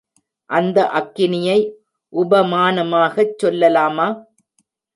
அந்த அக்கினியை உபமானமாகச் சொல்லலாமா?